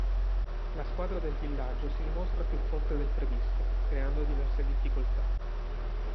La squadra del villaggio si dimostra più forte del previsto, creando diverse difficoltà.